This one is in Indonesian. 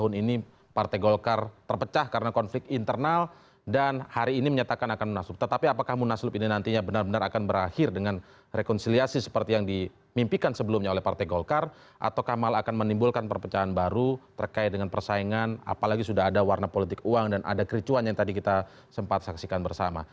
untuk kembali melihat bagaimana perbincangan langsung dari arena munasulub di bali